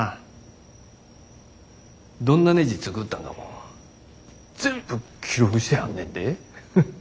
どんなねじ作ったんかも全部記録してあんねんで。